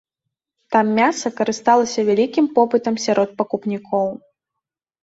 Там мяса карысталася вялікім попытам сярод пакупнікоў.